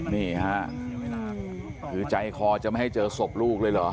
นี่ค่ะคือใจคอจะไม่ให้เจอศพลูกเลยเหรอ